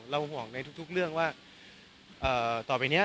ห่วงในทุกเรื่องว่าต่อไปนี้